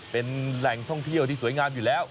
เป็นแหล่งท่องเที่ยวที่สวยงามอยู่แล้ว